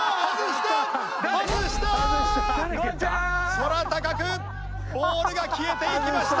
空高くボールが消えていきました。